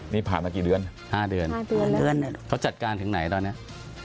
นี่ผ่านมากี่เดือน๕เดือน๕เดือนเขาจัดการถึงไหนตอนนี้